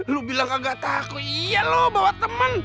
lu bilang agak takut iya lu bawa temen